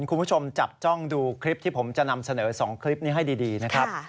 คุณผู้ชมจับจ้องดูคลิปที่ผมจะนำเสนอ๒คลิปนี้ให้ดีนะครับ